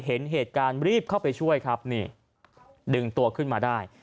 เห็นเหตุการณ์รีบเข้าไปช่วยครับนี่ดึงตัวขึ้นมาได้